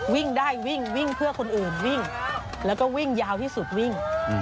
วิ่งได้วิ่งวิ่งเพื่อคนอื่นวิ่งแล้วก็วิ่งยาวที่สุดวิ่ง